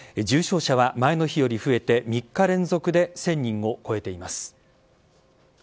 重症者は前の日より増えて３日連続で１０００人を超えています。